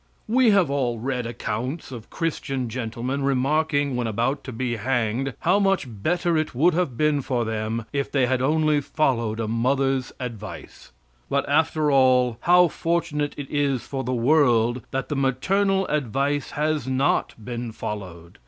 We have all read accounts of Christian gentlemen remarking when about to be hanged, how much better it would have been for them if they had only followed a mother's advice! But, after all, how fortunate it is for the world that the maternal advice has not been followed!